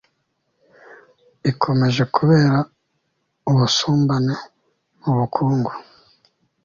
ikomeje kubera ubusumbane mu bukungu